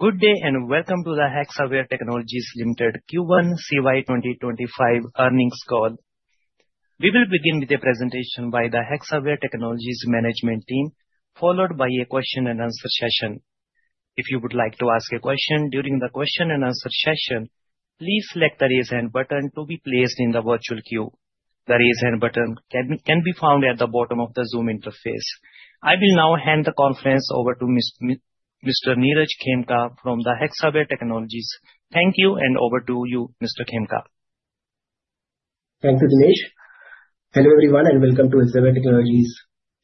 Good day and welcome to the Hexaware Technologies Ltd. Q1 CY 2025 earnings call. We will begin with a presentation by the Hexaware Technologies management team, followed by a question-and-answer session. If you would like to ask a question during the question-and-answer session, please select the raise hand button to be placed in the virtual queue. The raise hand button can be found at the bottom of the Zoom interface. I will now hand the conference over to Mr. Niraj Khemka from the Hexaware Technologies. Thank you, and over to you, Mr. Khemka. Thank you, Dinesh. Hello everyone, and welcome to Hexaware Technologies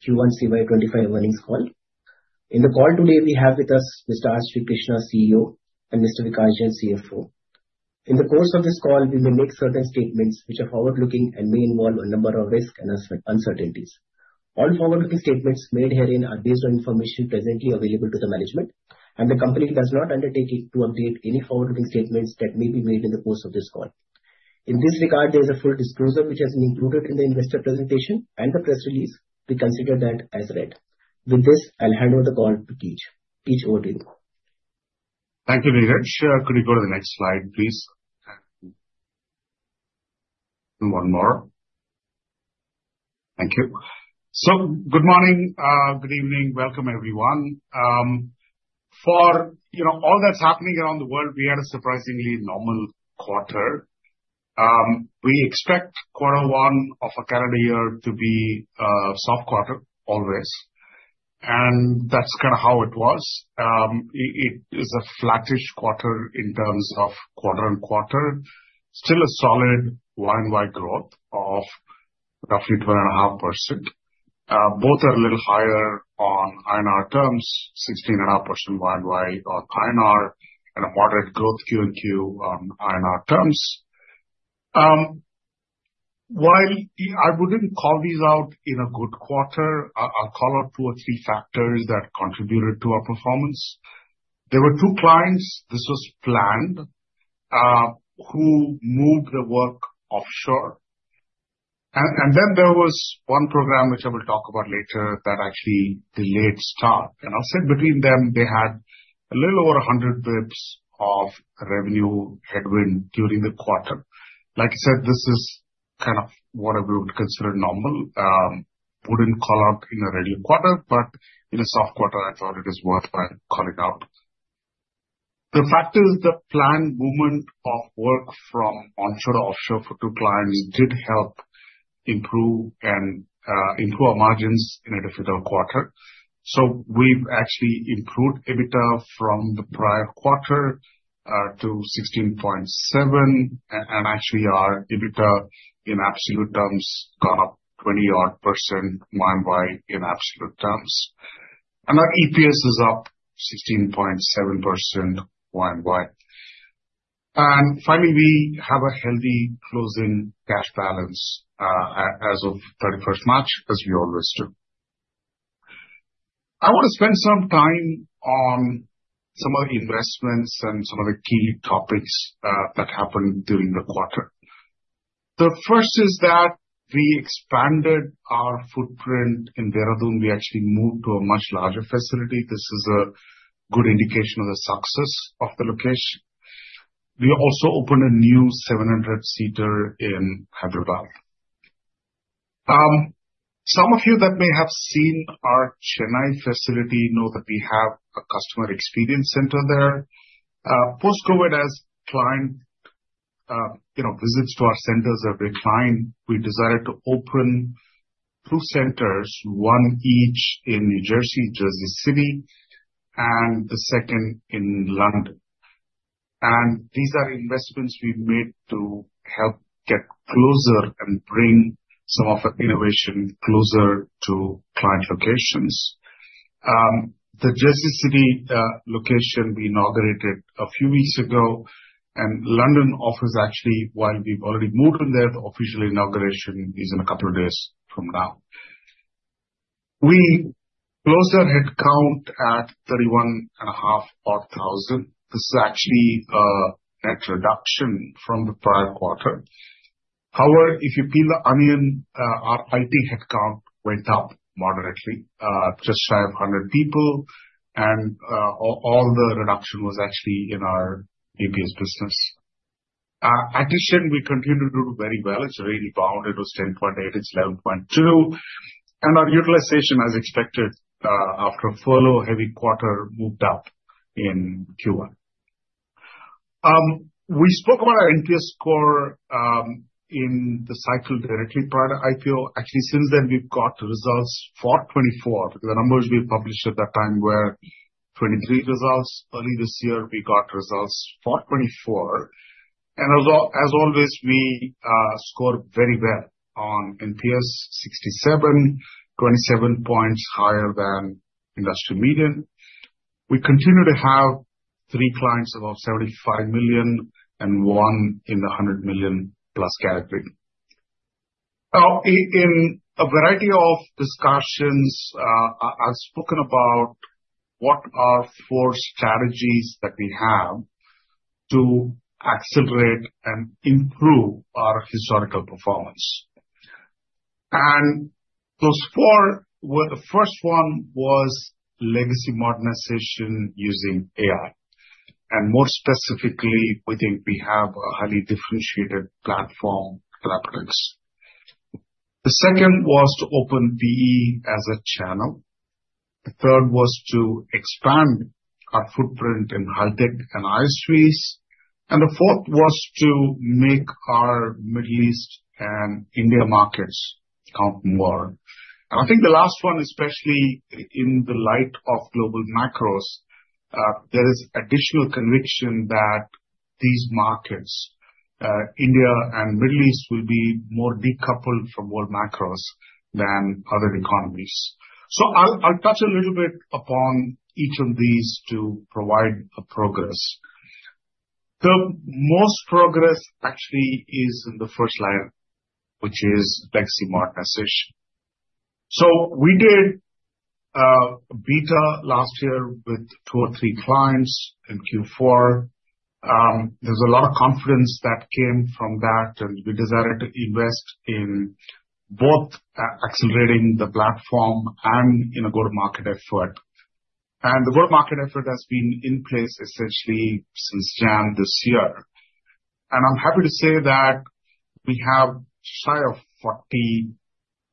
Q1 CY 2025 earnings call. In the call today, we have with us Mr. R. Srikrishna, CEO, and Mr. Vikas Jain, CFO. In the course of this call, we may make certain statements which are forward-looking and may involve a number of risks and uncertainties. All forward-looking statements made herein are based on information presently available to the management, and the company does not undertake to update any forward-looking statements that may be made in the course of this call. In this regard, there is a full disclosure which has been included in the investor presentation and the press release. We consider that as read. With this, I'll hand over the call to Keech. Keech, over to you. Thank you, Niraj. Could you go to the next slide, please? One more. Thank you. So, good morning, good evening. Welcome everyone. For all that's happening around the world, we had a surprisingly normal quarter. We expect quarter one of a calendar year to be a soft quarter, always, and that's kind of how it was. It is a flattish quarter in terms of quarter on quarter. Still a solid Y and Y growth of roughly 12.5%. Both are a little higher on INR terms, 16.5% Y and Y on INR, and a moderate growth Q and Q on INR terms. While I wouldn't call these out in a good quarter, I'll call out two or three factors that contributed to our performance. There were two clients, this was planned, who moved the work offshore. And then there was one program which I will talk about later that actually delayed start. And I'll say between them, they had a little over 100 basis points of revenue headwind during the quarter. Like I said, this is kind of what I would consider normal. Wouldn't call out in a regular quarter, but in a soft quarter, I thought it is worthwhile calling out. The fact is the planned movement of work from onshore to offshore for two clients did help improve our margins in a difficult quarter. So we've actually improved EBITDA from the prior quarter to 16.7%, and actually our EBITDA in absolute terms got up 20-odd% Y and Y in absolute terms. And our EPS is up 16.7% Y and Y. And finally, we have a healthy closing cash balance as of 31st March, as we always do. I want to spend some time on some of the investments and some of the key topics that happened during the quarter. The first is that we expanded our footprint in Dehradun. We actually moved to a much larger facility. This is a good indication of the success of the location. We also opened a new 700-seater in Hyderabad. Some of you that may have seen our Chennai facility know that we have a Customer Experience Center there. Post-COVID, as client visits to our centers every client, we decided to open two centers, one each in New Jersey, Jersey City, and the second in London, and these are investments we made to help get closer and bring some of our innovation closer to client locations. The Jersey City location we inaugurated a few weeks ago, and London office actually, while we've already moved in there, the official inauguration is in a couple of days from now. We closed our headcount at 31.5 odd thousand. This is actually a net reduction from the prior quarter. However, if you peel the onion, our IT headcount went up moderately, just shy of 100 people, and all the reduction was actually in our BPS business. Addition, we continue to do very well. It's already bounded with 10.8, it's 11.2. And our utilization, as expected, after a furlough-heavy quarter moved up in Q1. We spoke about our NPS score in the call directly prior to IPO. Actually, since then, we've got results for 2024. The numbers we published at that time were 2023 results. Early this year, we got results for 2024. And as always, we scored very well on NPS, 67, 27 points higher than industry median. We continue to have three clients above $75 million and one in the $100 million plus category. Now, in a variety of discussions, I've spoken about what our four strategies that we have to accelerate and improve our historical performance. And those four, the first one was legacy modernization using AI. And more specifically, we think we have a highly differentiated platform, [unaudible]. The second was to open PE as a channel. The third was to expand our footprint in high-tech and ISVs. And the fourth was to make our Middle East and India markets count more. And I think the last one, especially in the light of global macros, there is additional conviction that these markets, India and Middle East, will be more decoupled from world macros than other economies. I'll touch a little bit upon each of these to provide progress. The most progress actually is in the first line, which is legacy modernization. We did a beta last year with two or three clients in Q4. There's a lot of confidence that came from that, and we decided to invest in both accelerating the platform and in a go-to-market effort. The go-to-market effort has been in place essentially since January this year. I'm happy to say that we have shy of 40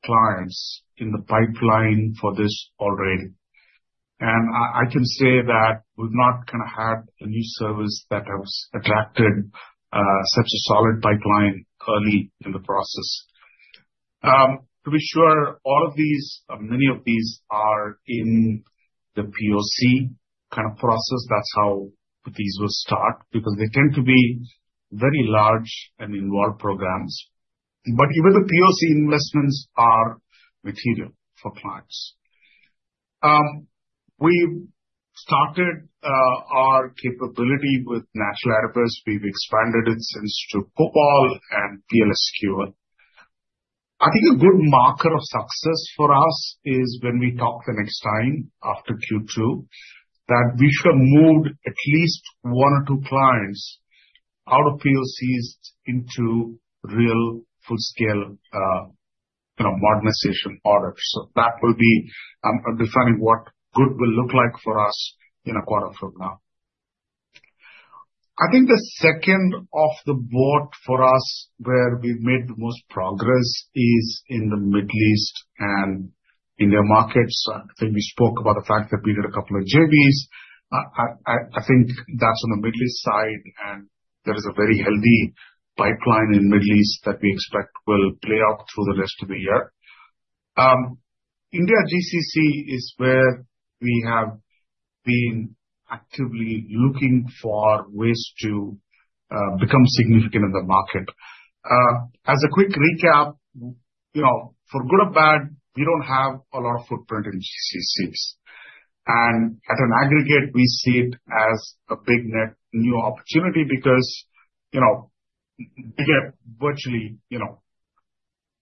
clients in the pipeline for this already. I can say that we've not kind of had a new service that has attracted such a solid pipeline early in the process. To be sure, all of these, many of these are in the POC kind of process. That's how these will start because they tend to be very large and involved programs. But even the POC investments are material for clients. We've started our capability with Natural Adabas. We've expanded it since to COBOL and PL/SQL. I think a good marker of success for us is when we talk the next time after Q2, that we should have moved at least one or two clients out of POCs into real full-scale modernization orders. So that will be defining what good will look like for us in a quarter from now. I think the second area for us where we've made the most progress is in the Middle East and India markets. I think we spoke about the fact that we did a couple of JVs. I think that's on the Middle East side, and there is a very healthy pipeline in Middle East that we expect will play out through the rest of the year. India GCC is where we have been actively looking for ways to become significant in the market. As a quick recap, for good or bad, we don't have a lot of footprint in GCCs, and at an aggregate, we see it as a big net new opportunity because we get virtually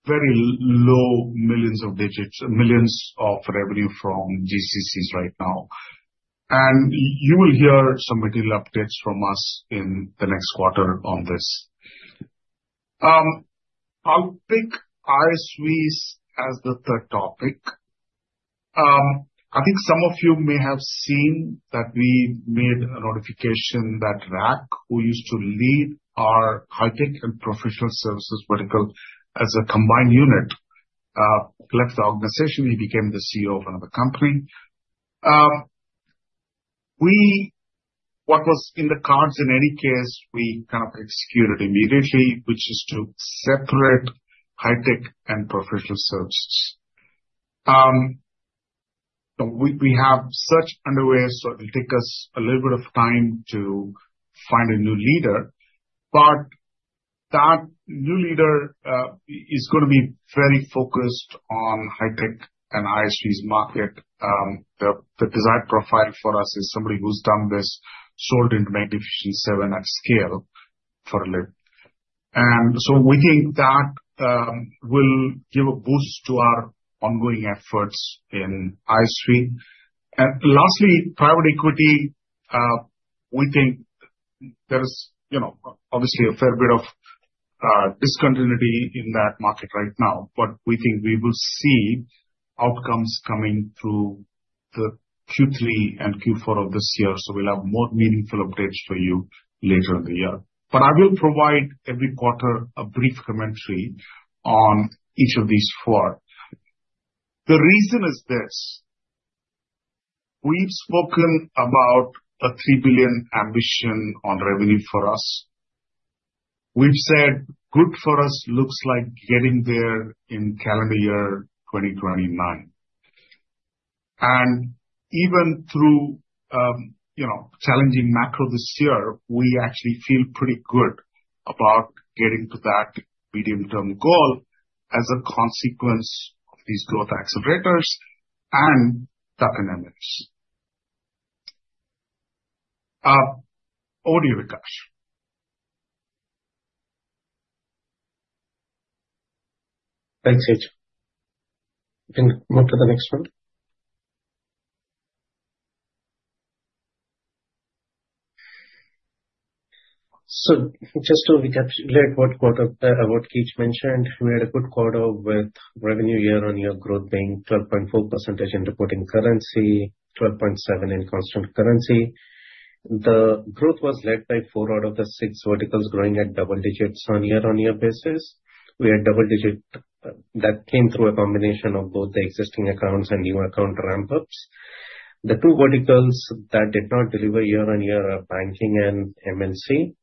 very low single-digit millions of revenue from GCCs right now, and you will hear some material updates from us in the next quarter on this. I'll pick ISVs as the third topic. I think some of you may have seen that we made a notification that Raj, who used to lead our high-tech and professional services vertical as a combined unit, left the organization. He became the CEO of another company. What was in the cards. In any case, we kind of executed immediately, which is to separate high-tech and professional services. We have such underway, so it will take us a little bit of time to find a new leader. But that new leader is going to be very focused on high-tech and ISVs market. The desired profile for us is somebody who's done this, sold into Magnificent Seven at scale for a living. And so we think that will give a boost to our ongoing efforts in ISV. And lastly, private equity, we think there is obviously a fair bit of discontinuity in that market right now, but we think we will see outcomes coming through the Q3 and Q4 of this year. So we'll have more meaningful updates for you later in the year. But I will provide every quarter a brief commentary on each of these four. The reason is this. We've spoken about a $3 billion ambition on revenue for us. We've said good for us looks like getting there in calendar year 2029, and even through challenging macro this year, we actually feel pretty good about getting to that medium-term goal as a consequence of these growth accelerators and DX and Americas. Over to you, Vikash. Thanks, Keech. You can move to the next one. So just to recapitulate what Keech mentioned, we had a good quarter with revenue year-on-year growth being 12.4% in reporting currency, 12.7% in constant currency. The growth was led by four out of the six verticals growing at double digits on year-on-year basis. We had double digit that came through a combination of both the existing accounts and new account ramp-ups. The two verticals that did not deliver year-on-year are Banking and MNC.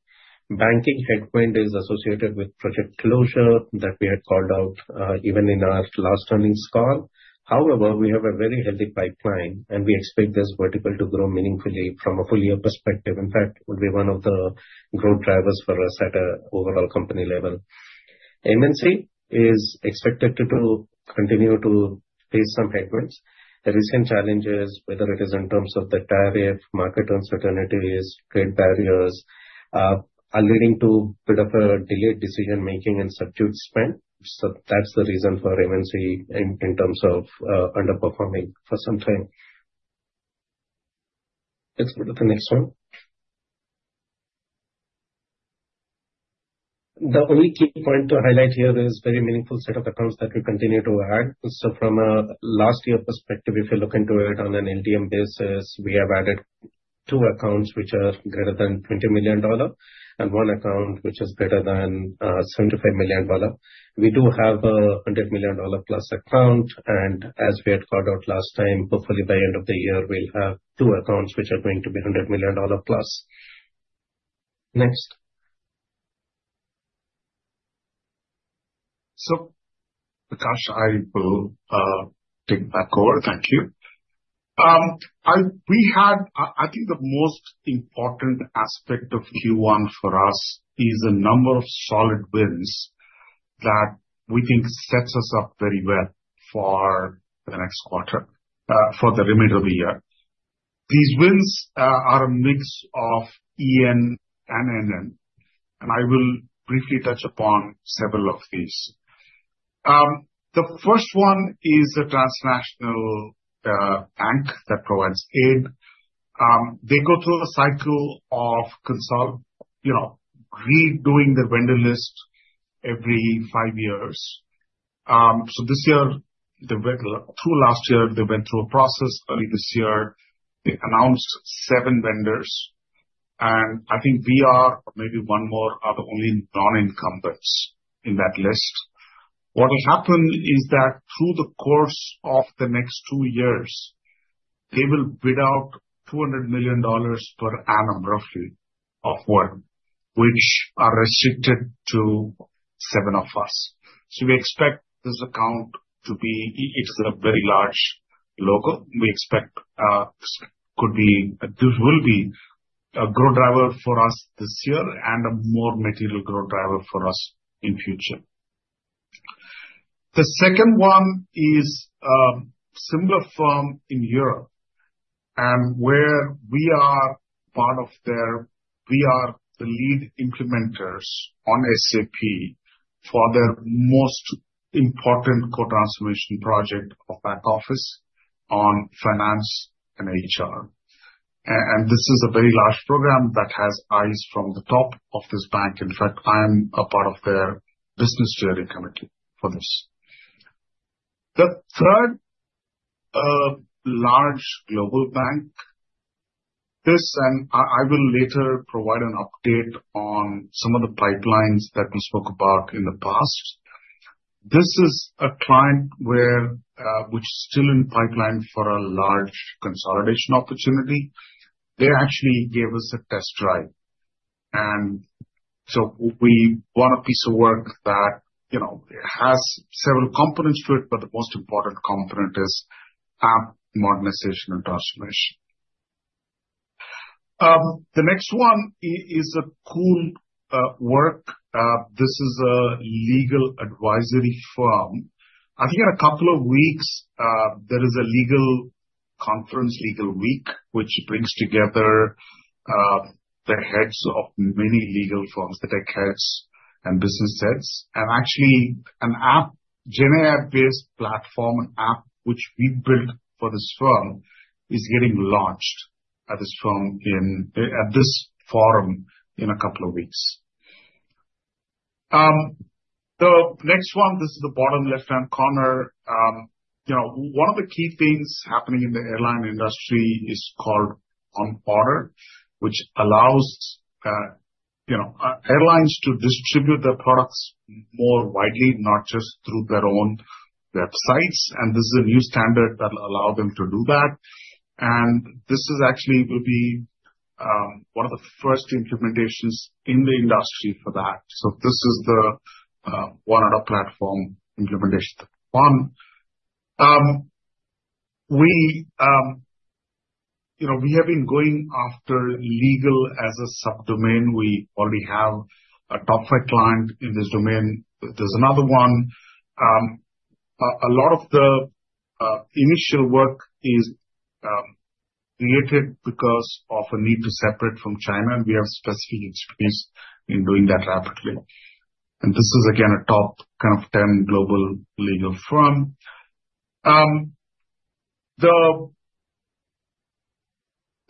Banking headwind is associated with project closure that we had called out even in our last earnings call. However, we have a very healthy pipeline, and we expect this vertical to grow meaningfully from a full-year perspective. In fact, it would be one of the growth drivers for us at an overall company level. MNC is expected to continue to face some headwinds. The recent challenges, whether it is in terms of the tariff, market uncertainties, trade barriers, are leading to a bit of a delayed decision-making and subdued spend. So that's the reason for MNC in terms of underperforming for some time. Let's move to the next one. The only key point to highlight here is a very meaningful set of accounts that we continue to add. So from a last-year perspective, if you're looking to it on an LTM basis, we have added two accounts which are greater than $20 million and one account which is greater than $75 million. We do have a $100 million plus account. And as we had called out last time, hopefully by the end of the year, we'll have two accounts which are going to be $100 million plus. Next. Vikash, I will take back over. Thank you. I think the most important aspect of Q1 for us is the number of solid wins that we think sets us up very well for the next quarter, for the remainder of the year. These wins are a mix of EN and NN. I will briefly touch upon several of these. The first one is a transnational bank that provides aid. They go through a cycle of redoing their vendor list every five years. This year, through last year, they went through a process. Early this year, they announced seven vendors. I think we are, or maybe one more, the only non-incumbents in that list. What will happen is that through the course of the next two years, they will bid out $200 million per annum roughly of work, which are restricted to seven of us. We expect this account to be a very large logo. We expect this could be a growth driver for us this year and a more material growth driver for us in future. The second one is a similar firm in Europe. And where we are part of their, we are the lead implementers on SAP for their most important core transformation project of back office on finance and HR. And this is a very large program that has eyes from the top of this bank. In fact, I am a part of their business steering committee for this. The third large global bank, this, and I will later provide an update on some of the pipelines that we spoke about in the past. This is a client which is still in pipeline for a large consolidation opportunity. They actually gave us a test drive. And so we won a piece of work that has several components to it, but the most important component is app modernization and transformation. The next one is a cool work. This is a legal advisory firm. I think in a couple of weeks, there is a legal conference, Legal Week, which brings together the heads of many legal firms, the tech heads and business heads. And actually, an app, GenAI-based platform, an app which we built for this firm is getting launched at this forum in a couple of weeks. The next one, this is the bottom left-hand corner. One of the key things happening in the airline industry is called ONE Order, which allows airlines to distribute their products more widely, not just through their own websites. And this is a new standard that will allow them to do that. This actually will be one of the first implementations in the industry for that. So this is the ONE Order platform implementation that we've done. We have been going after legal as a subdomain. We already have a top five client in this domain. There's another one. A lot of the initial work is created because of a need to separate from China. And we have specific experience in doing that rapidly. And this is, again, a top kind of 10 global legal firm.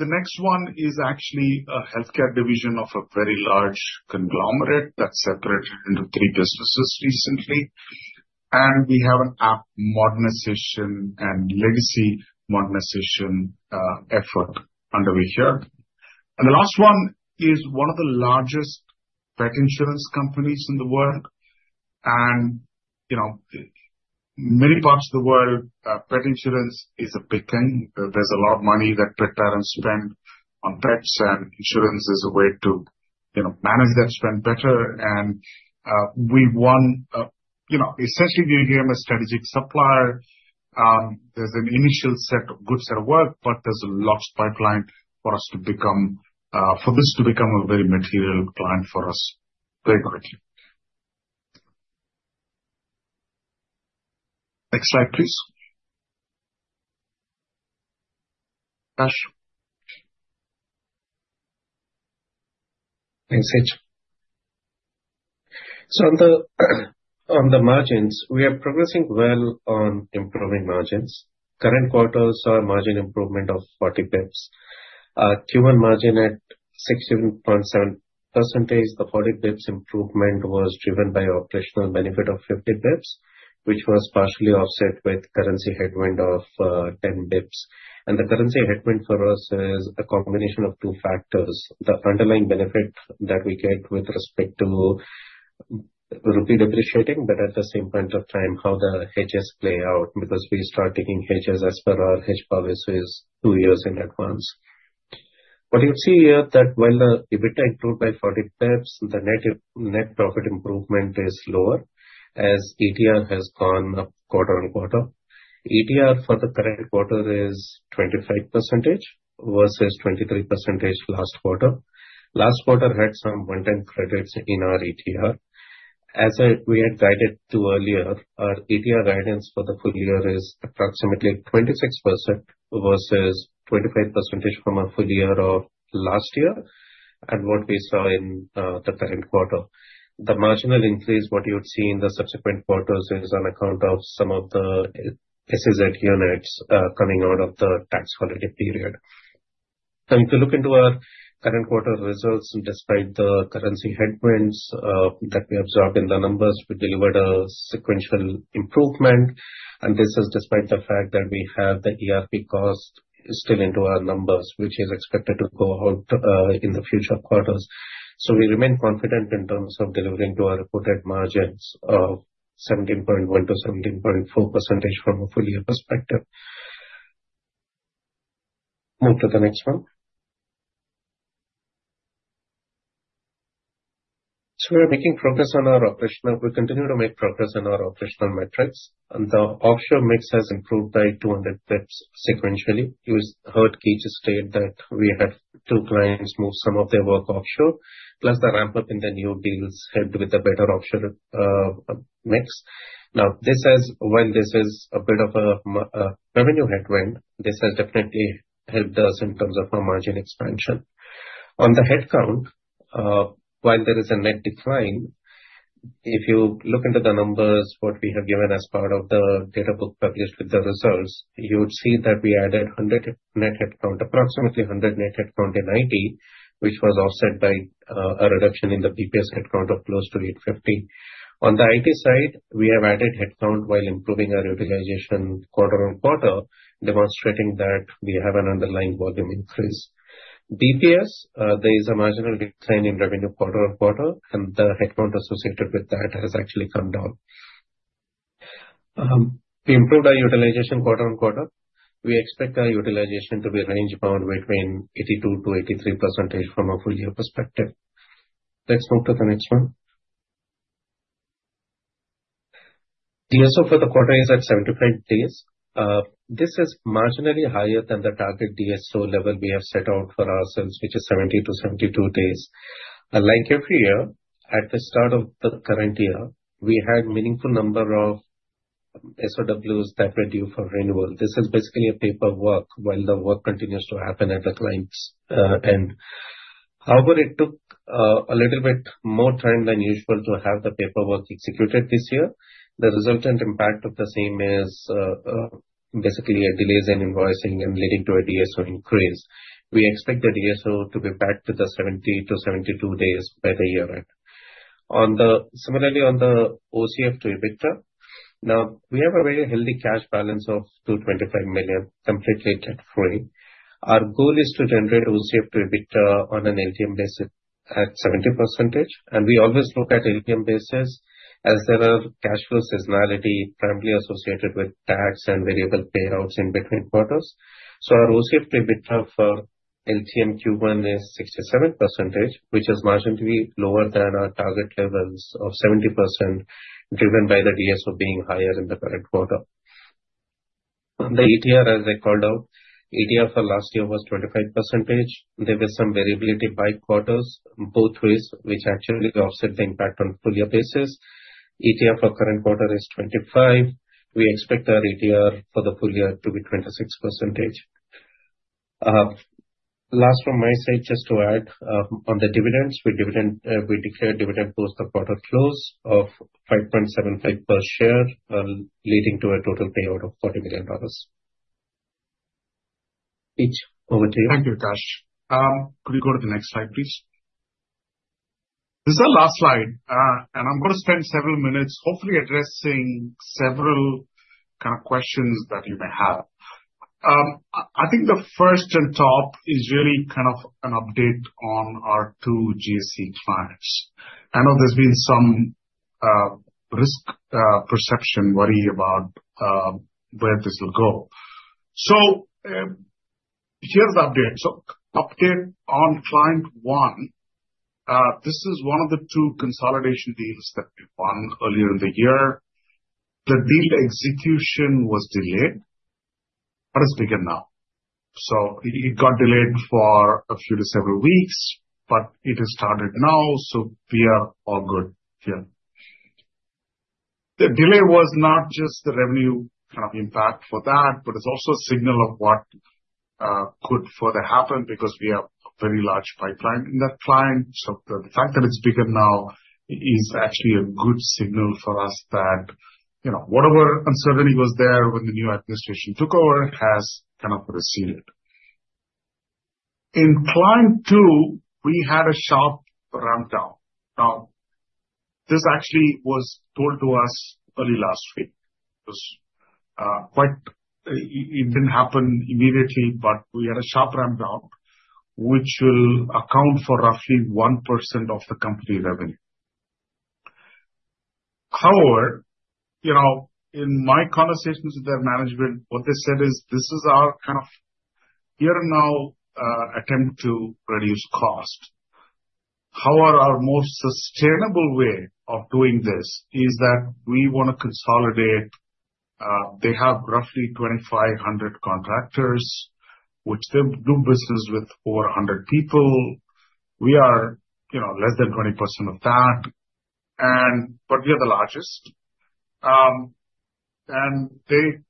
The next one is actually a healthcare division of a very large conglomerate that separated into three businesses recently. And we have an app modernization and legacy modernization effort underway here. And the last one is one of the largest pet insurance companies in the world. And in many parts of the world, pet insurance is a big thing. There's a lot of money that pet parents spend on pets, and insurance is a way to manage that spend better, and we won, essentially, we became a strategic supplier. There's an initial set of good work, but there's a large pipeline for us to become, for this to become a very material client for us very quickly. Next slide, please. Vikash. Thanks, [unaudible]. So on the margins, we are progressing well on improving margins. Current quarter saw a margin improvement of 40 basis points. Q1 margin at 67.7%. The 40 basis points improvement was driven by operational benefit of 50 basis points, which was partially offset with currency headwind of 10 basis points. And the currency headwind for us is a combination of two factors: the underlying benefit that we get with respect to rupee depreciating, but at the same point of time, how the hedges play out, because we start taking hedges as per our hedge policies two years in advance. What you see here is that while the EBITDA improved by 40 basis points, the net profit improvement is lower as ETR has gone up quarter on quarter. ETR for the current quarter is 25% versus 23% last quarter. Last quarter had some one-time credits in our ETR. As we had guided to earlier, our ETR guidance for the full year is approximately 26% versus 25% from our full year of last year and what we saw in the current quarter. The marginal increase, what you would see in the subsequent quarters, is on account of some of the SEZ units coming out of the tax holiday period. Now, if you look into our current quarter results, despite the currency headwinds that we absorbed in the numbers, we delivered a sequential improvement. This is despite the fact that we have the ERP cost still into our numbers, which is expected to go out in the future quarters. We remain confident in terms of delivering to our reported margins of 17.1%-17.4% from a full-year perspective. Move to the next one. We are making progress on our operational. We continue to make progress on our operational metrics. The offshore mix has improved by 200 basis points sequentially. You heard Keech just state that we had two clients move some of their work offshore, plus the ramp-up in the new deals helped with a better offshore mix. Now, while this is a bit of a revenue headwind, this has definitely helped us in terms of our margin expansion. On the headcount, while there is a net decline, if you look into the numbers, what we have given as part of the data book published with the results, you would see that we added 100 net headcount, approximately 100 net headcount in IT, which was offset by a reduction in the BPS headcount of close to 850. On the IT side, we have added headcount while improving our utilization quarter on quarter, demonstrating that we have an underlying volume increase. BPS, there is a marginal decline in revenue quarter on quarter, and the headcount associated with that has actually come down. We improved our utilization quarter on quarter. We expect our utilization to be range bound between 82%-83% from a full-year perspective. Let's move to the next one. DSO for the quarter is at 75 days. This is marginally higher than the target DSO level we have set out for ourselves, which is 70-72 days. Like every year, at the start of the current year, we had a meaningful number of SOWs that were due for renewal. This is basically a paperwork while the work continues to happen at the client's end. However, it took a little bit more time than usual to have the paperwork executed this year. The resultant impact of the same is basically delays in invoicing and leading to a DSO increase. We expect the DSO to be back to the 70-72 days by the year-end. Similarly, on the OCF to EBITDA, now we have a very healthy cash balance of $225 million, completely debt-free. Our goal is to generate OCF to EBITDA on an LTM basis at 70%, and we always look at LTM basis as there are cash flow seasonality primarily associated with tax and variable payouts in between quarters, so our OCF to EBITDA for LTM Q1 is 67%, which is marginally lower than our target levels of 70%, driven by the DSO being higher in the current quarter. On the ETR, as I called out, ETR for last year was 25%. There was some variability by quarters, both ways, which actually offset the impact on the full-year basis. ETR for current quarter is 25%. We expect our ETR for the full year to be 26%. Last from my side, just to add, on the dividends, we declared dividend post the quarter close of 5.75 per share, leading to a total payout of $40 million. [unaudible] over to you. Thank you, Vikash. Could we go to the next slide, please? This is our last slide, and I'm going to spend several minutes hopefully addressing several kind of questions that you may have. I think the first and top is really kind of an update on our two GSE clients. I know there's been some risk perception, worry about where this will go. So here's the update: so update on client one. This is one of the two consolidation deals that we won earlier in the year. The deal execution was delayed, but it's taken now. So it got delayed for a few to several weeks, but it has started now. So we are all good here. The delay was not just the revenue kind of impact for that, but it's also a signal of what could further happen because we have a very large pipeline in that client. The fact that it's bigger now is actually a good signal for us that whatever uncertainty was there when the new administration took over has kind of receded. In client two, we had a sharp rundown. Now, this actually was told to us early last week. It didn't happen immediately, but we had a sharp rundown, which will account for roughly 1% of the company revenue. However, in my conversations with their management, what they said is, "This is our kind of here and now attempt to reduce cost." However, our most sustainable way of doing this is that we want to consolidate. They have roughly 2,500 contractors, which they do business with over 100 people. We are less than 20% of that, but we are the largest. And they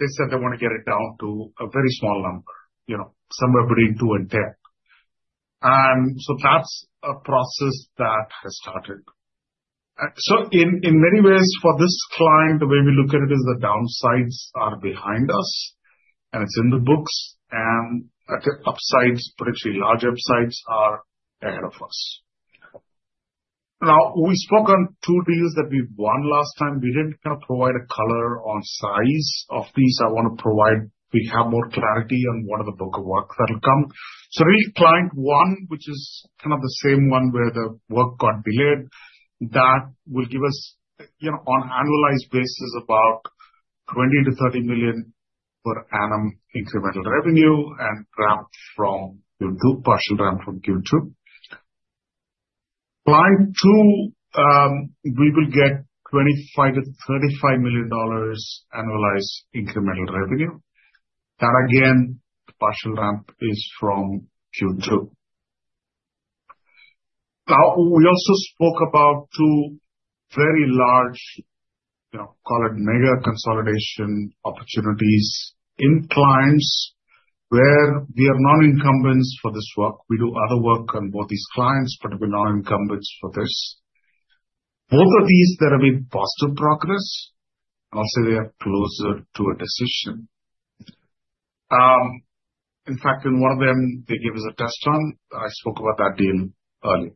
said they want to get it down to a very small number, somewhere between two and 10. And so that's a process that has started. So in many ways, for this client, the way we look at it is the downsides are behind us, and it's in the books. And upsides, particularly large upsides, are ahead of us. Now, we spoke on two deals that we won last time. We didn't kind of provide a color on size of these. I want to provide we have more clarity on what are the book of work that will come. So really, client one, which is kind of the same one where the work got delayed, that will give us, on an annualized basis, about $20-$30 million per annum incremental revenue and ramp from Q2, partial ramp from Q2. Client two, we will get $25-$35 million annualized incremental revenue. That, again, partial ramp is from Q2. Now, we also spoke about two very large, call it mega consolidation opportunities in clients where we are non-incumbents for this work. We do other work on both these clients, but we're non-incumbents for this. Both of these that have been positive progress. I'll say they are closer to a decision. In fact, in one of them, they gave us a test run. I spoke about that deal earlier.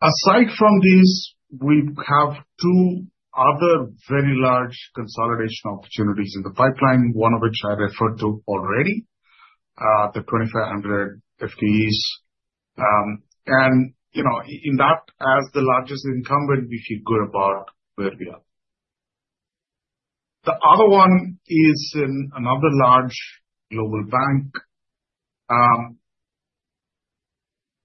Aside from these, we have two other very large consolidation opportunities in the pipeline, one of which I referred to already, the 2,500 FTEs. And in that, as the largest incumbent, we feel good about where we are. The other one is in another large global bank.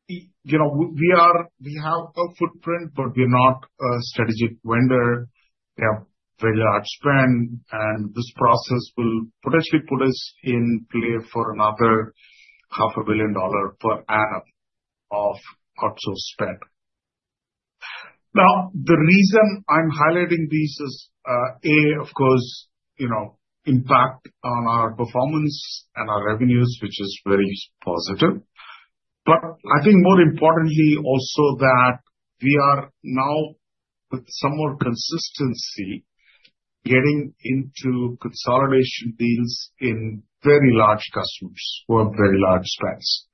We have a footprint, but we're not a strategic vendor. We have very large spend. This process will potentially put us in play for another $500 million per annum of outsource spend. Now, the reason I'm highlighting these is, A, of course, impact on our performance and our revenues, which is very positive. I think more importantly also that we are now, with some more consistency, getting into consolidation deals in very large customers who have very large spends.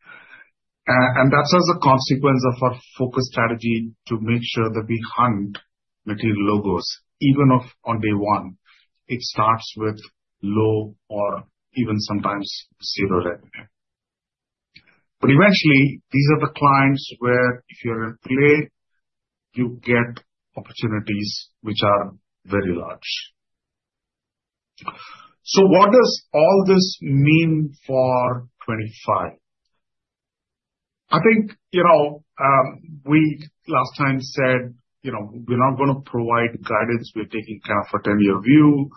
That's as a consequence of our focus strategy to make sure that we hunt material logos, even on day one. It starts with low or even sometimes zero revenue. Eventually, these are the clients where if you're in play, you get opportunities which are very large. What does all this mean for 2025? I think we last time said we're not going to provide guidance. We're taking kind of a 10-year view.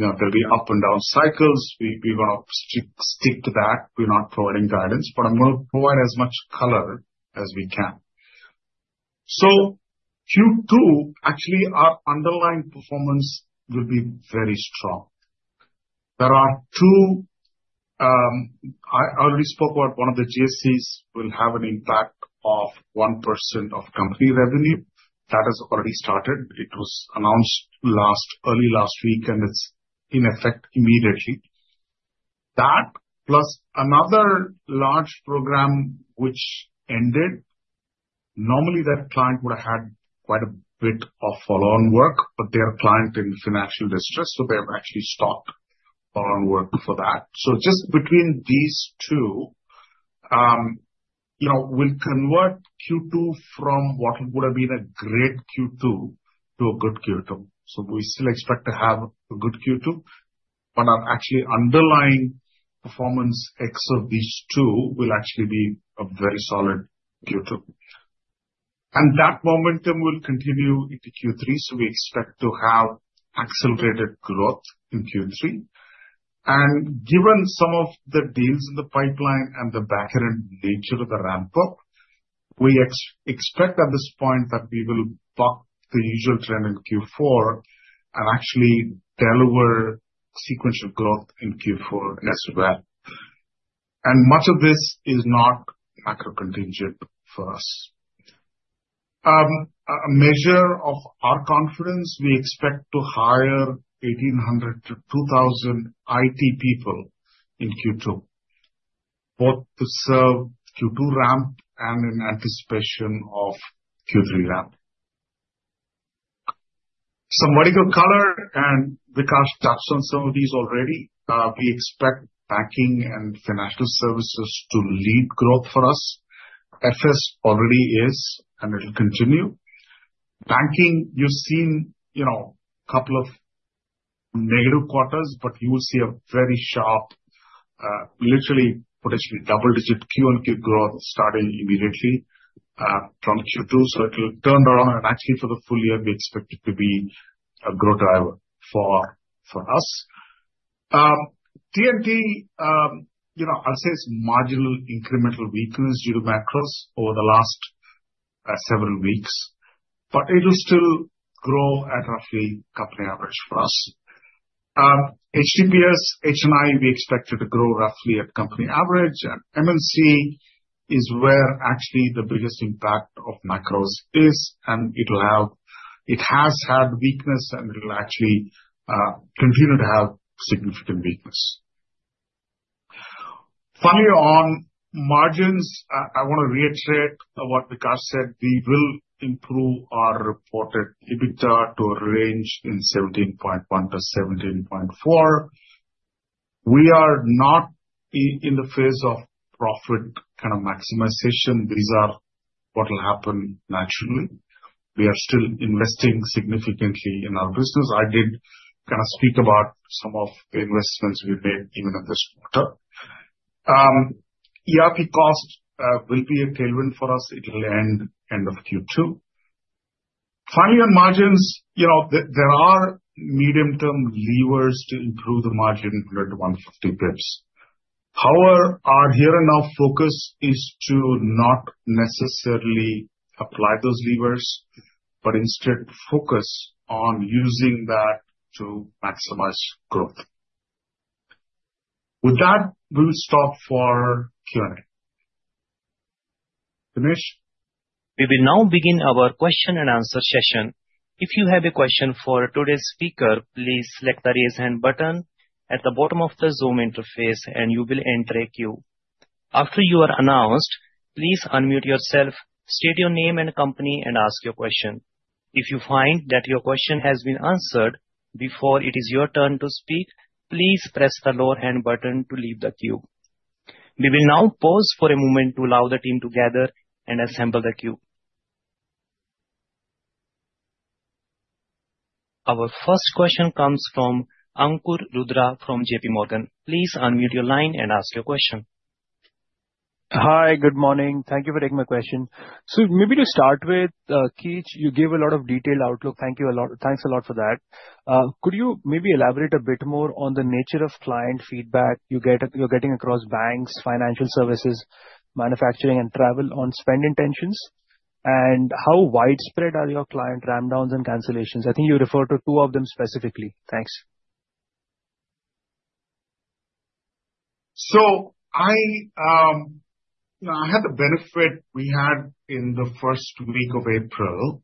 There'll be up and down cycles. We're going to stick to that. We're not providing guidance, but I'm going to provide as much color as we can. So Q2, actually, our underlying performance will be very strong. There are two. I already spoke about one of the GSEs, which will have an impact of 1% of company revenue. That has already started. It was announced early last week, and it's in effect immediately. That, plus another large program which ended. Normally, that client would have had quite a bit of follow-on work, but they are a client in financial distress, so they have actually stopped follow-on work for that. So just between these two, we'll convert Q2 from what would have been a great Q2 to a good Q2. So we still expect to have a good Q2, but our actual underlying performance ex of these two will actually be a very solid Q2. That momentum will continue into Q3. We expect to have accelerated growth in Q3. Given some of the deals in the pipeline and the back-end nature of the ramp-up, we expect at this point that we will buck the usual trend in Q4 and actually deliver sequential growth in Q4 as well. Much of this is not macro contingent for us. As a measure of our confidence, we expect to hire 1,800-2,000 IT people in Q2, both to serve Q2 ramp and in anticipation of Q3 ramp. Some vertical color, and Vikas touched on some of these already. We expect Banking and Financial Services to lead growth for us. FS already is, and it'll continue. Banking, you've seen a couple of negative quarters, but you will see a very sharp, literally potentially double-digit QoQ growth starting immediately from Q2. It'll turn around. Actually, for the full year, we expect it to be a growth driver for us. T&T, I'd say it's marginal incremental weakness due to macros over the last several weeks, but it'll still grow at roughly company average for us. HTPS, H&I, we expect it to grow roughly at company average. MNC is where actually the biggest impact of macros is, and it has had weakness, and it'll actually continue to have significant weakness. Finally, on margins, I want to reiterate what Vikas said. We will improve our reported EBITDA to a range in 17.1%-17.4%. We are not in the phase of profit kind of maximization. These are what will happen naturally. We are still investing significantly in our business. I did kind of speak about some of the investments we made even in this quarter. ERP cost will be a tailwind for us. It'll end of Q2. Finally, on margins, there are medium-term levers to improve the margin 100-150 basis points. However, our here and now focus is to not necessarily apply those levers, but instead focus on using that to maximize growth. With that, we will stop for Q&A. Dinesh. We will now begin our question and answer session. If you have a question for today's speaker, please select the raise hand button at the bottom of the Zoom interface, and you will enter a queue. After you are announced, please unmute yourself, state your name and company, and ask your question. If you find that your question has been answered before it is your turn to speak, please press the lower hand button to leave the queue. We will now pause for a moment to allow the team to gather and assemble the queue. Our first question comes from Ankur Rudra from J.P. Morgan. Please unmute your line and ask your question. Hi, good morning. Thank you for taking my question. So maybe to start with, Keech, you gave a lot of detailed outlook. Thank you a lot. Thanks a lot for that. Could you maybe elaborate a bit more on the nature of client feedback you're getting across banks, financial services, manufacturing, and travel on spend intentions? And how widespread are your client ramp-downs and cancellations? I think you referred to two of them specifically. Thanks. I had the benefit we had in the first week of April,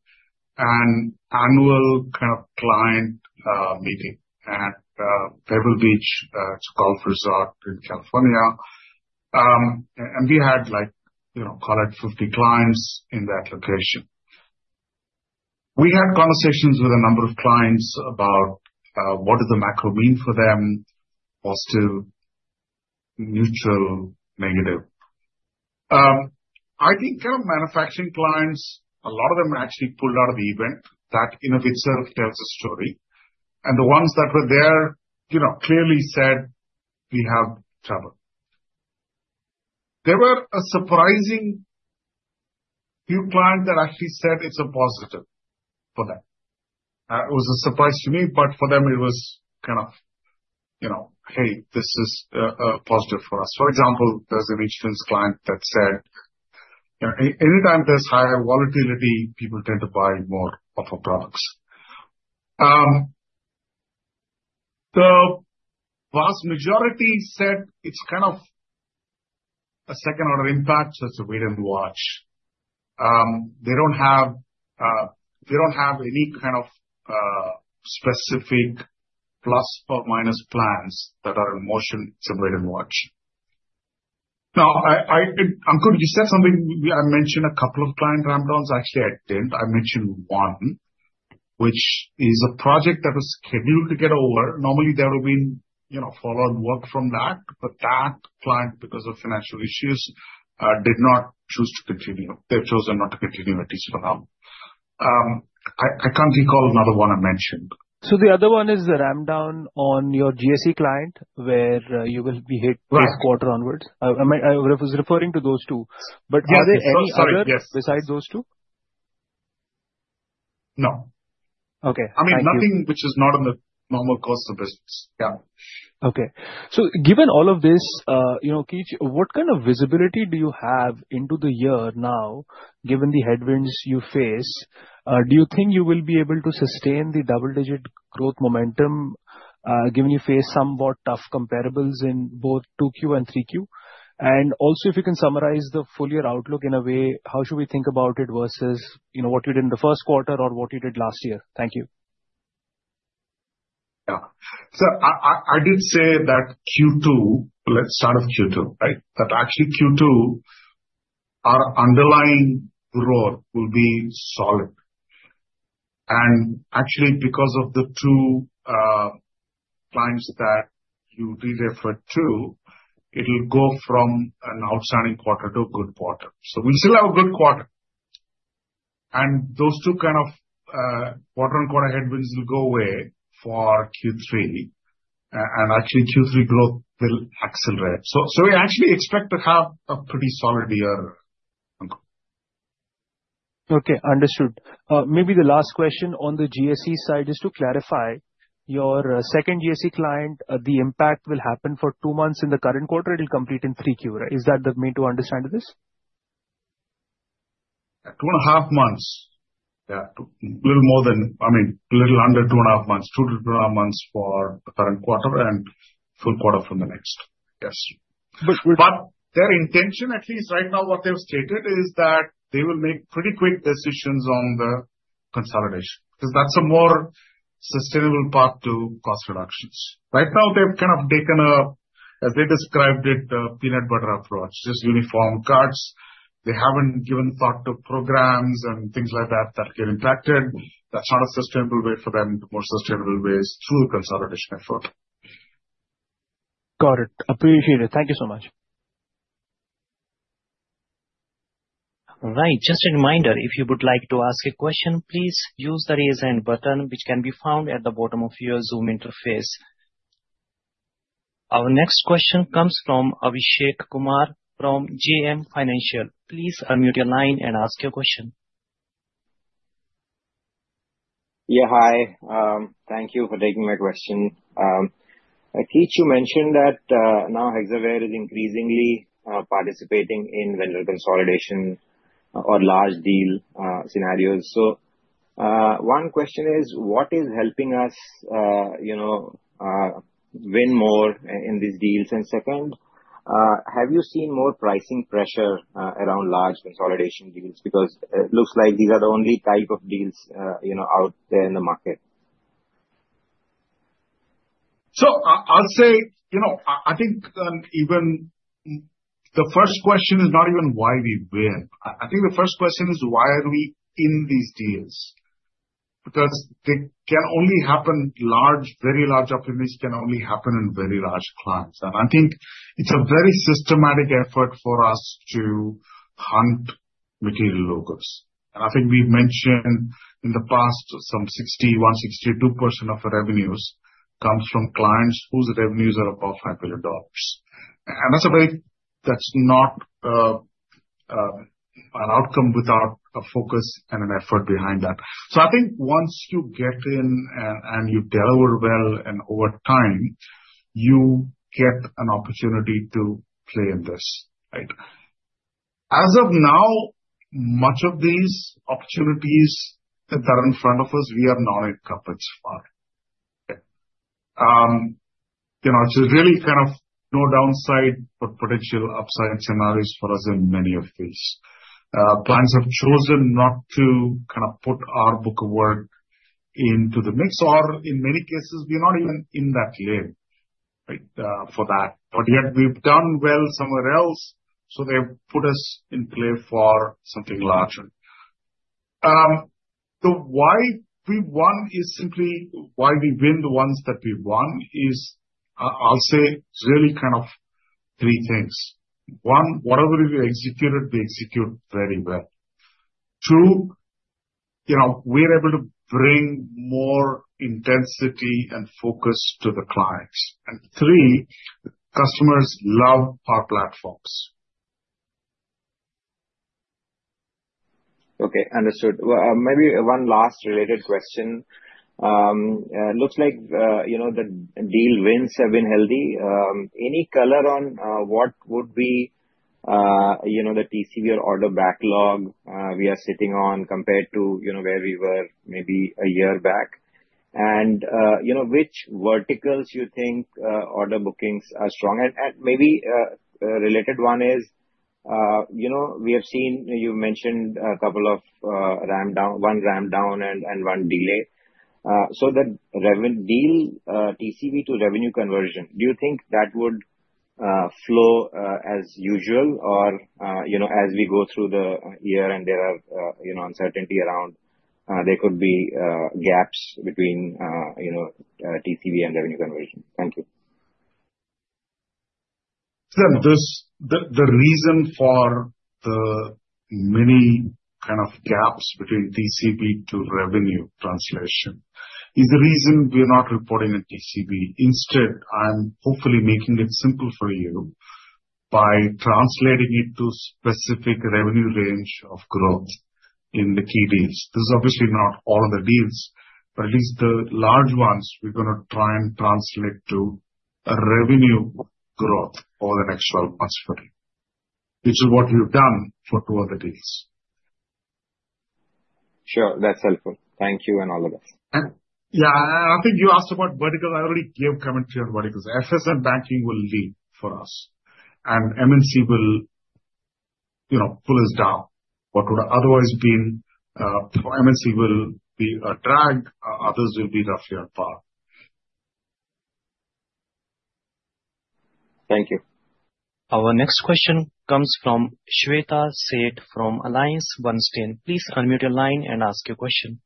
an annual kind of client meeting at Pebble Beach Golf Resort in California. We had, call it, 50 clients in that location. We had conversations with a number of clients about what does the macro mean for them, positive, neutral, negative. I think kind of manufacturing clients, a lot of them actually pulled out of the event. That in and of itself tells a story. The ones that were there clearly said, "We have trouble." There were a surprising few clients that actually said, "It's a positive for them." It was a surprise to me, but for them, it was kind of, "Hey, this is a positive for us." For example, there's an insurance client that said, "Anytime there's higher volatility, people tend to buy more of our products." The vast majority said, "It's kind of a second-order impact, so it's a wait-and-watch." They don't have any kind of specific plus or minus plans that are in motion. It's a wait-and-watch. Now, Ankur, you said something. I mentioned a couple of client ramp-downs. Actually, I didn't. I mentioned one, which is a project that was scheduled to get over. Normally, there would have been follow-on work from that, but that client, because of financial issues, did not choose to continue. They've chosen not to continue, at least for now. I can't recall another one I mentioned. So the other one is the ramp-down on your GSE client where you will be hit this quarter onwards. I was referring to those two. But are there any others besides those two? No. I mean, nothing which is not on the normal course of business. Yeah. Okay. So given all of this, Keech, what kind of visibility do you have into the year now, given the headwinds you face? Do you think you will be able to sustain the double-digit growth momentum given you face somewhat tough comparables in both 2Q and 3Q? And also, if you can summarize the full year outlook in a way, how should we think about it versus what you did in the first quarter or what you did last year? Thank you. Yeah. So I did say that Q2, let's start with Q2, right? That actually Q2, our underlying growth will be solid. And actually, because of the two clients that you did refer to, it'll go from an outstanding quarter to a good quarter. So we'll still have a good quarter. And those two kind of quarter-on-quarter headwinds will go away for Q3. And actually, Q3 growth will accelerate. So we actually expect to have a pretty solid year. Okay. Understood. Maybe the last question on the GSE side is to clarify your second GSE client, the impact will happen for two months in the current quarter. It'll complete in 3Q. Is that the way to understand this? Two and a half months. Yeah. A little more than, I mean, a little under two and a half months, two to two and a half months for the current quarter and full quarter from the next. Yes. But their intention, at least right now, what they've stated is that they will make pretty quick decisions on the consolidation because that's a more sustainable path to cost reductions. Right now, they've kind of taken a, as they described it, peanut butter approach, just uniform cuts. They haven't given thought to programs and things like that that get impacted. That's not a sustainable way for them. The more sustainable way is through consolidation effort. Got it. Appreciate it. Thank you so much. All right. Just a reminder, if you would like to ask a question, please use the raise hand button, which can be found at the bottom of your Zoom interface. Our next question comes from Abhishek Kumar from JM Financial. Please unmute your line and ask your question. Yeah. Hi. Thank you for taking my question. Keech, you mentioned that now Hexaware is increasingly participating in vendor consolidation or large deal scenarios. So one question is, what is helping us win more in these deals? And second, have you seen more pricing pressure around large consolidation deals? Because it looks like these are the only type of deals out there in the market. So I'll say, I think even the first question is not even why we win. I think the first question is, why are we in these deals? Because they can only happen large, very large opportunities can only happen in very large clients. And I think it's a very systematic effort for us to hunt material logos. And I think we've mentioned in the past, some 60.162% of our revenues comes from clients whose revenues are above $5 billion. And that's a very—that's not an outcome without a focus and an effort behind that. So I think once you get in and you deliver well, and over time, you get an opportunity to play in this, right? As of now, much of these opportunities that are in front of us, we are not equipped for. It's really kind of no downside, but potential upside scenarios for us in many of these. Clients have chosen not to kind of put our book of work into the mix, or in many cases, we're not even in that lane, right, for that. But yet, we've done well somewhere else, so they've put us in play for something larger. The why we won is simply why we win the ones that we won is, I'll say, really kind of three things. One, whatever we executed, we execute very well. Two, we're able to bring more intensity and focus to the clients. And three, customers love our platforms. Okay. Understood. Maybe one last related question. Looks like the deal wins have been healthy. Any color on what would be the TCV or order backlog we are sitting on compared to where we were maybe a year back? And which verticals you think order bookings are strong? And maybe a related one is, we have seen you mentioned a couple of one ramp-down and one delay. So the revenue deal, TCV to revenue conversion, do you think that would flow as usual or as we go through the year and there are uncertainty around there could be gaps between TCV and revenue conversion? Thank you. The reason for the many kind of gaps between TCV to revenue translation is the reason we're not reporting in TCV. Instead, I'm hopefully making it simple for you by translating it to specific revenue range of growth in the key deals. This is obviously not all of the deals, but at least the large ones. We're going to try and translate to revenue growth over the next 12 months for you, which is what we've done for two other deals. Sure. That's helpful. Thank you and all of us. Yeah. I think you asked about verticals. I already gave commentary on verticals. FS and Banking will lead for us, and MNC will pull us down. What would otherwise be MNC will be a drag. Others will be roughly on par. Thank you. Our next question comes from Shweta Seth from AllianceBernstein. Please unmute your line and ask your question.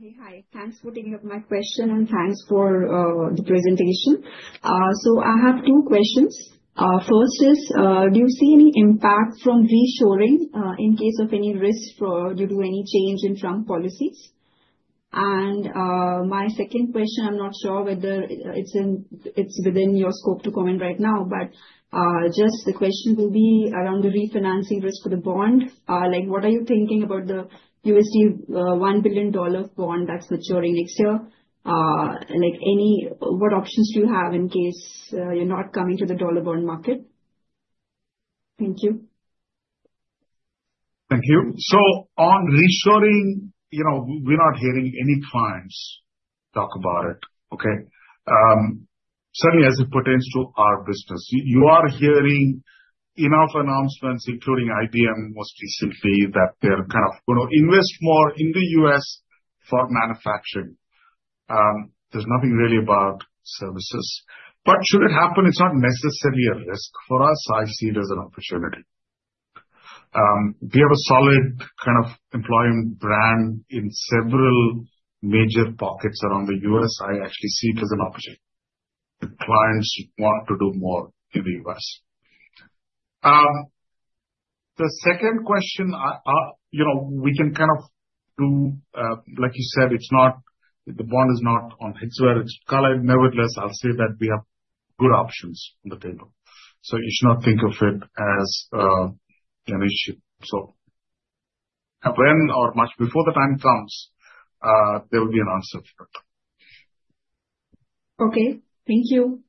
Hey, hi. Thanks for taking up my question, and thanks for the presentation. So I have two questions. First is, do you see any impact from reshoring in case of any risk due to any change in Trump policies? And my second question, I'm not sure whether it's within your scope to comment right now, but just the question will be around the refinancing risk for the bond. What are you thinking about the $1 billion bond that's maturing next year? What options do you have in case you're not coming to the dollar-bond market? Thank you. Thank you. So on reshoring, we're not hearing any clients talk about it, okay? Certainly, as it pertains to our business, you are hearing enough announcements, including IBM most recently, that they're kind of going to invest more in the U.S. for manufacturing. There's nothing really about services. But should it happen, it's not necessarily a risk for us. I see it as an opportunity. We have a solid kind of employment brand in several major pockets around the U.S. I actually see it as an opportunity. The clients want to do more in the U.S. The second question, we can kind of do, like you said, the bond is not on Hexaware. It's covered. Nevertheless, I'll say that we have good options on the table. So you should not think of it as an issue. When or much before the time comes, there will be an answer for it. Okay. Thank you.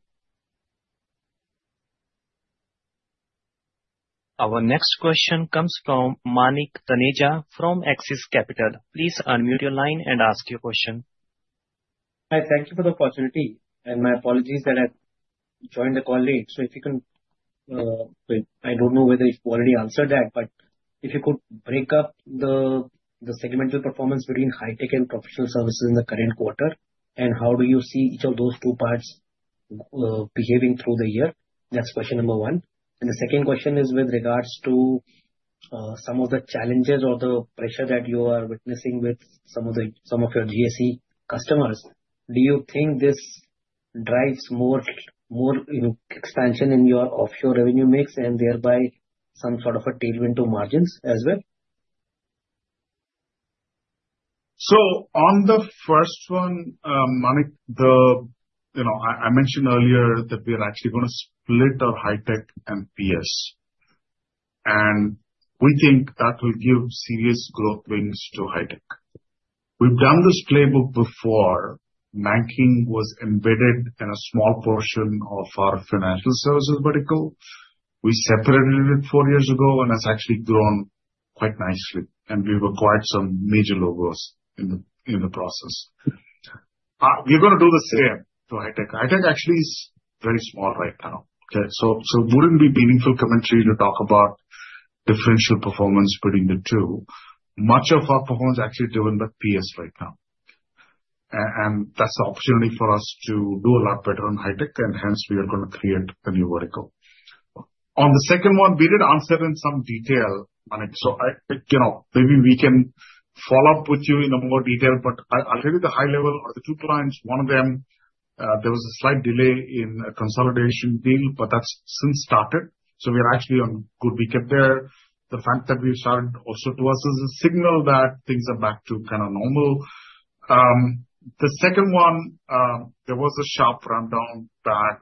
Our next question comes from Manik Taneja from Axis Capital. Please unmute your line and ask your question. Hi. Thank you for the opportunity. And my apologies that I joined the call late. So if you can. I don't know whether you've already answered that, but if you could break up the segmental performance between high-tech and professional services in the current quarter, and how do you see each of those two parts behaving through the year? That's question number one. And the second question is with regards to some of the challenges or the pressure that you are witnessing with some of your GSE customers. Do you think this drives more expansion in your offshore revenue mix and thereby some sort of a tailwind to margins as well? So on the first one, Manik, I mentioned earlier that we are actually going to split our high-tech and PS. And we think that will give serious growth wins to high-tech. We've done this playbook before. Banking was embedded in a small portion of our financial services vertical. We separated it four years ago, and it's actually grown quite nicely. And we've acquired some major logos in the process. We're going to do the same to high-tech. High-tech actually is very small right now. Okay? So it wouldn't be meaningful commentary to talk about differential performance between the two. Much of our performance is actually driven by PS right now. And that's the opportunity for us to do a lot better on high-tech, and hence, we are going to create a new vertical. On the second one, we did answer in some detail, Manik. So maybe we can follow up with you in more detail, but I'll tell you the high level of the two clients. One of them, there was a slight delay in a consolidation deal, but that's since started. So we are actually on good footing there. The fact that we've started, also to us, is a signal that things are back to kind of normal. The second one, there was a sharp rampdown that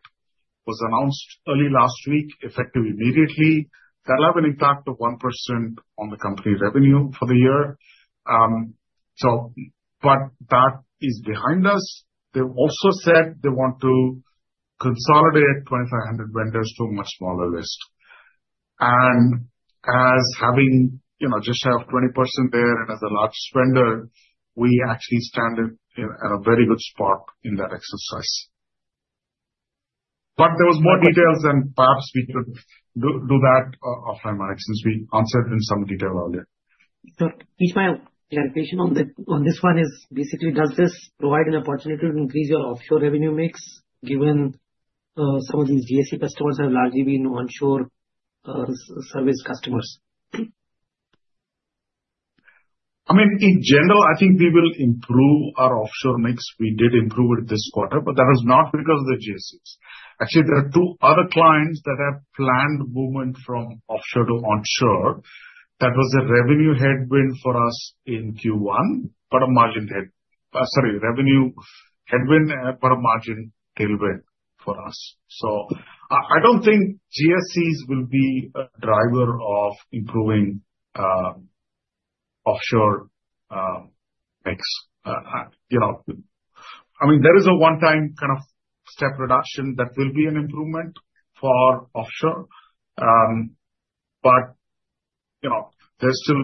was announced early last week, effective immediately. That'll have an impact of 1% on the company revenue for the year. But that is behind us. They've also said they want to consolidate 2,500 vendors to a much smaller list. And we have just shy of 20% there and as a large spender, we actually stand in a very good spot in that exercise. But there were more details, and perhaps we could do that offline, Manik, since we answered in some detail earlier. So Peach, my clarification on this one is basically, does this provide an opportunity to increase your offshore revenue mix given some of these GSE customers have largely been onshore service customers? I mean, in general, I think we will improve our offshore mix. We did improve it this quarter, but that was not because of the GSEs. Actually, there are two other clients that have planned movement from offshore to onshore. That was a revenue headwind for us in Q1, but a margin headwind, but a margin tailwind for us. So I don't think GSEs will be a driver of improving offshore mix. I mean, there is a one-time kind of step reduction that will be an improvement for offshore. But there's still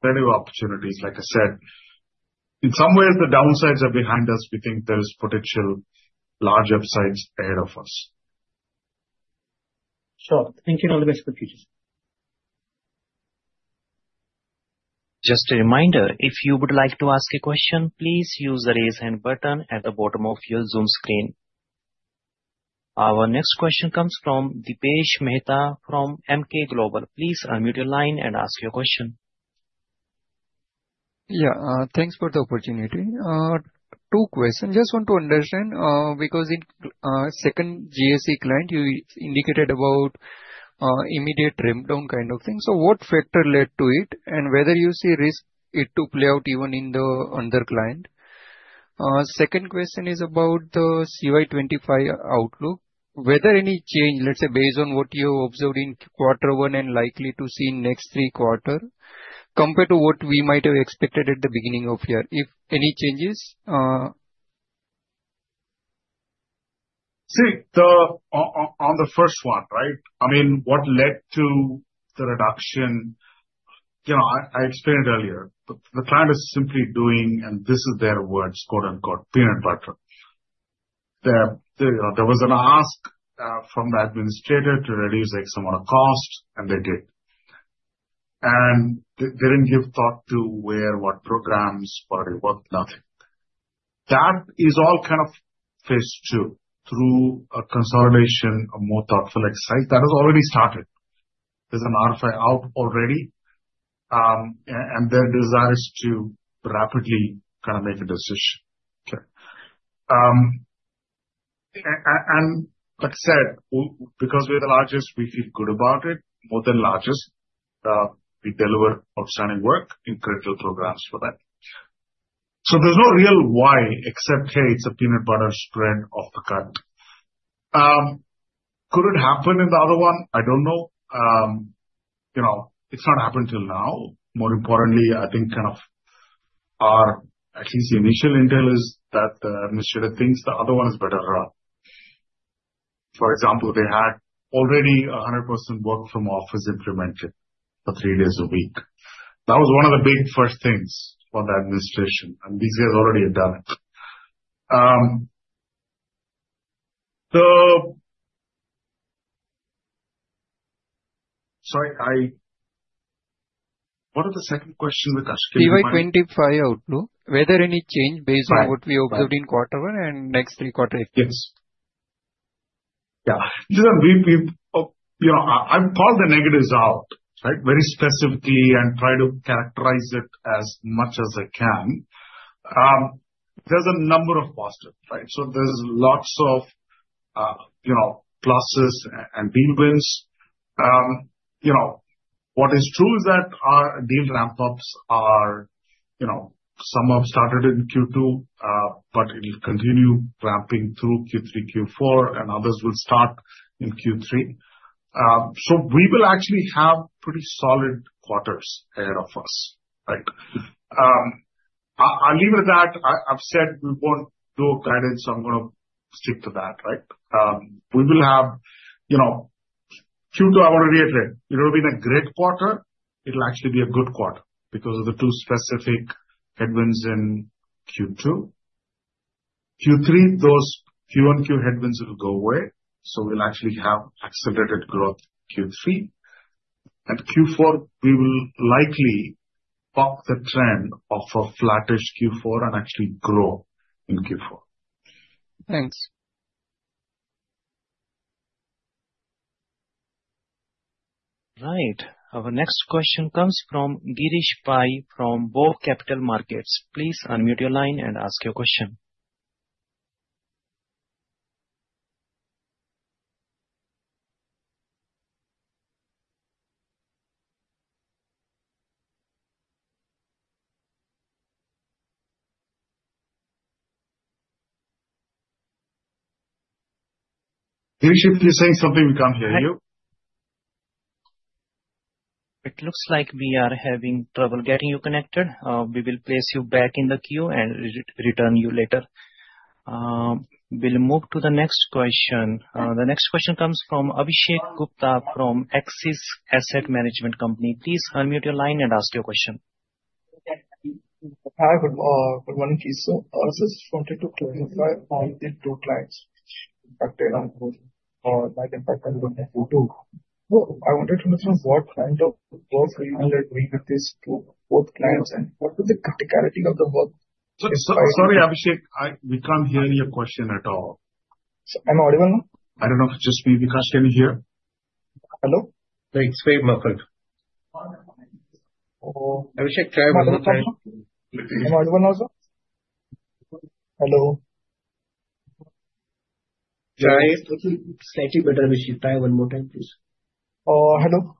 plenty of opportunities, like I said. In some ways, the downsides are behind us. We think there are potential large upsides ahead of us. Sure. Thank you and all the best for the future. Just a reminder, if you would like to ask a question, please use the raise hand button at the bottom of your Zoom screen. Our next question comes from Dipesh Mehta from Emkay Global Financial Services. Please unmute your line and ask your question. Yeah. Thanks for the opportunity. Two questions. Just want to understand because in second GSE client, you indicated about immediate ramp-down kind of thing. So what factor led to it and whether you see risk it to play out even in the other client? Second question is about the CY25 outlook. Whether any change, let's say, based on what you observed in quarter one and likely to see in next three quarters compared to what we might have expected at the beginning of the year, if any changes? See, on the first one, right? I mean, what led to the reduction? I explained it earlier. The client is simply doing, and this is their words, quote-unquote, "peanut butter." There was an ask from the Administrator to reduce X amount of cost, and they did. And they didn't give thought to where, what programs, what nothing. That is all kind of phase two through a consolidation, a more thoughtful exercise that has already started. There's an RFI out already, and their desire is to rapidly kind of make a decision. Okay? And like I said, because we're the largest, we feel good about it. More than largest, we deliver outstanding work in critical programs for them. So there's no real why except, hey, it's a peanut butter spread off the cut. Could it happen in the other one? I don't know. It's not happened till now. More importantly, I think kind of our at least initial intel is that the Administrator thinks the other one is better run. For example, they had already 100% work from office implemented for three days a week. That was one of the big first things for the administration, and these guys already have done it. So what are the second questions we're asking? CY25 outlook, whether any change based on what we observed in Quarter one and next three quarter? Yes. Yeah. I've called the negatives out, right, very specifically and tried to characterize it as much as I can. There's a number of positives, right? So there's lots of pluses and deal wins. What is true is that our deal ramp-ups, some have started in Q2, but it'll continue ramping through Q3, Q4, and others will start in Q3. So we will actually have pretty solid quarters ahead of us, right? I'll leave it at that. I've said we won't do a guidance. I'm going to stick to that, right? We will have Q2. I want to reiterate. It'll have been a great quarter. It'll actually be a good quarter because of the two specific headwinds in Q2. Q3, those Q1, Q2 headwinds will go away. So we'll actually have accelerated growth Q3. At Q4, we will likely buck the trend of a flattish Q4 and actually grow in Q4. Thanks. All right. Our next question comes from Girish Pai from BOB Capital Markets. Please unmute your line and ask your question. Girish, if you say something, we can't hear you. It looks like we are having trouble getting you connected. We will place you back in the queue and return you later. We'll move to the next question. The next question comes from Abhishek Gupta from Axis Asset Management Company. Please unmute your line and ask your question. Good morning, please. I also just wanted to clarify on the two clients. Impacted on both or might impact on both of them. So I wanted to know what kind of work you are doing with these two clients and what is the criticality of the work? Sorry, Abhishek, we can't hear your question at all. I'm audible now? I don't know. Just me. Vikas, can you hear? Hello? Thanks. Wait a moment. Abhishek, try one more time. I'm audible now, sir? Hello. Try. Slightly better, Abhishek. Try one more time, please. Hello.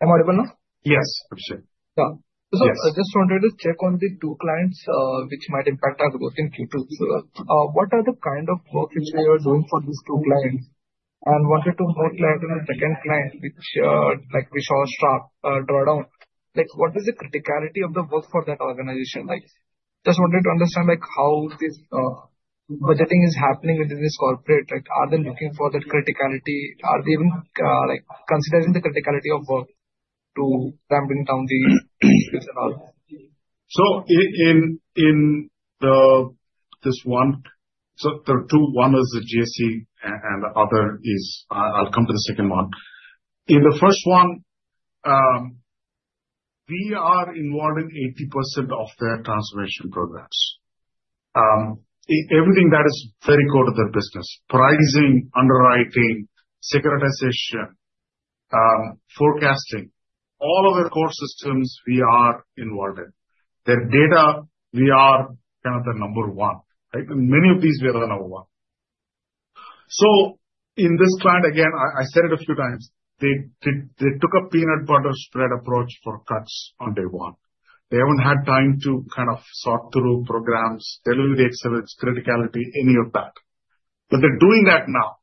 I'm audible now? Yes, Abhishek. So I just wanted to check on the two clients which might impact our work in Q2. So what are the kind of work which we are doing for these two clients? And I wanted to know in the second client, which we saw a drawdown, what is the criticality of the work for that organization? Just wanted to understand how this budgeting is happening within this corporate. Are they looking for that criticality? Are they even considering the criticality of work to ramping down these issues and all? So in this one, so there are two. One is the GSE, and the other is I'll come to the second one. In the first one, we are involved in 80% of their transformation programs. Everything that is very core to their business: pricing, underwriting, securitization, forecasting, all of their core systems we are involved in. Their data, we are kind of the number one, right? In many of these, we are the number one. So in this client, again, I said it a few times, they took a peanut butter spread approach for cuts on day one. They haven't had time to kind of sort through programs, deliver the excellence, criticality, any of that. But they're doing that now.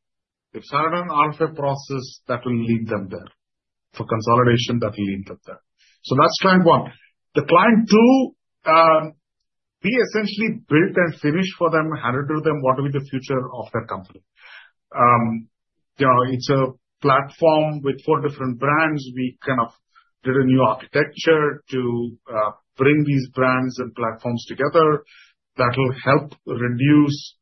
They've started an RFP process that will lead them there for consolidation that will lead them there. So that's client one. The Client two, we essentially built and finished for them, handed to them what will be the future of their company. It's a platform with four different brands. We kind of did a new architecture to bring these brands and platforms together that will help reduce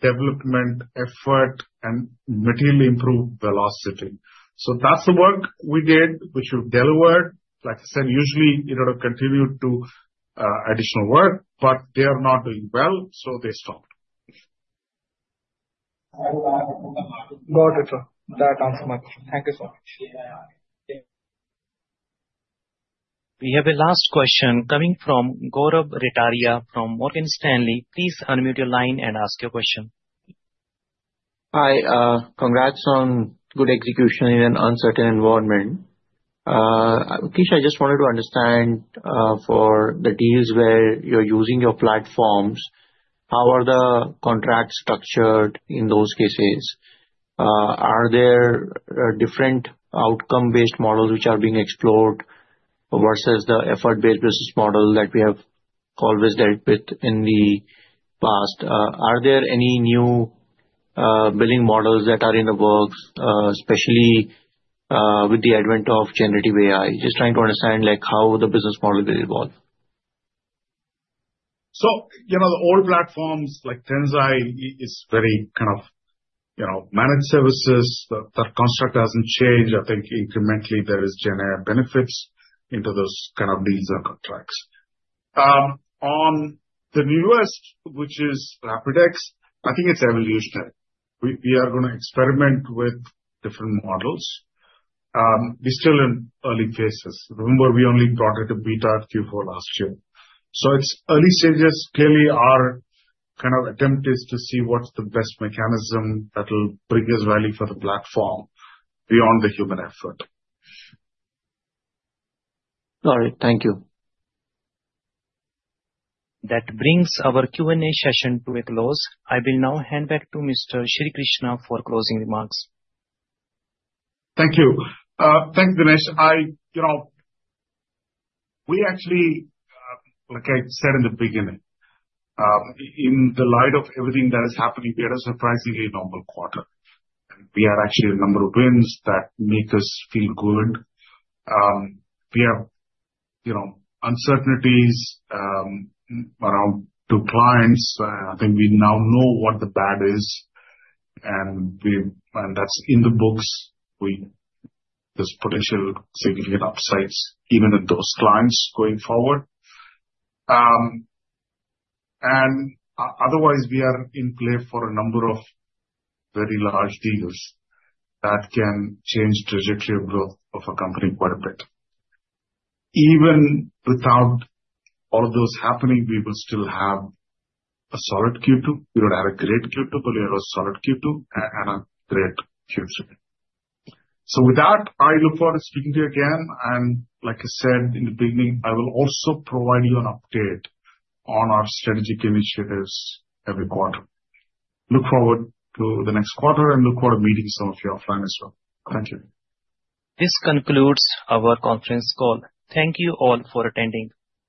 development effort and materially improve velocity. So that's the work we did, which we've delivered. Like I said, usually it would have continued to additional work, but they are not doing well, so they stopped. Got it. That answers my question. Thank you so much. We have a last question coming from Gaurav Rateria from Morgan Stanley. Please unmute your line and ask your question. Hi. Congrats on good execution in an uncertain environment. Srikrishna, I just wanted to understand for the deals where you're using your platforms, how are the contracts structured in those cases? Are there different outcome-based models which are being explored versus the effort-based business model that we have always dealt with in the past? Are there any new billing models that are in the works, especially with the advent of generative AI? Just trying to understand how the business model will evolve. So the old platforms like Tensai is very kind of managed services. The construct hasn't changed. I think incrementally there are GenAI benefits into those kind of deals and contracts. On the newest, which is RapidX, I think it's evolutionary. We are going to experiment with different models. We're still in early phases. Remember, we only brought it to beta at Q4 last year. So it's early stages. Clearly, our kind of attempt is to see what's the best mechanism that will bring us value for the platform beyond the human effort. All right. Thank you. That brings our Q&A session to a close. I will now hand back to Mr. Srikrishna for closing remarks. Thank you. Thanks, Dinesh. We actually, like I said in the beginning, in the light of everything that is happening, we had a surprisingly normal quarter. We had actually a number of wins that make us feel good. We have uncertainties around two clients. I think we now know what the bad is, and that's in the books. There's potential significant upsides even in those clients going forward. And otherwise, we are in play for a number of very large deals that can change the trajectory of growth of a company quite a bit. Even without all of those happening, we will still have a solid Q2. We don't have a great Q2, but we have a solid Q2 and a great Q3. So with that, I look forward to speaking to you again. Like I said in the beginning, I will also provide you an update on our strategic initiatives every quarter. Look forward to the next quarter and look forward to meeting some of you offline as well. Thank you. This concludes our conference call. Thank you all for attending.